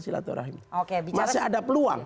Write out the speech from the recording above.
silaturahim masih ada peluang